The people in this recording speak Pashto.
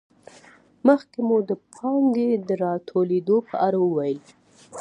مخکې مو د پانګې د راټولېدو په اړه وویل